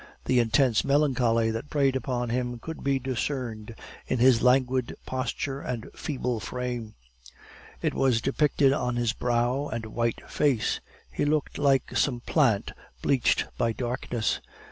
The intense melancholy that preyed upon him could be discerned in his languid posture and feeble frame; it was depicted on his brow and white face; he looked like some plant bleached by darkness.